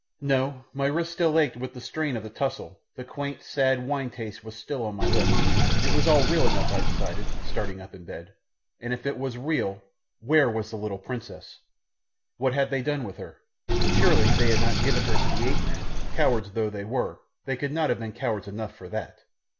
No, my wrists still ached with the strain of the tussle, the quaint, sad wine taste was still on my lips it was all real enough, I decided, starting up in bed; and if it was real where was the little princess? What had they done with her? Surely they had not given her to the ape men cowards though they were they could not have been cowards enough for that.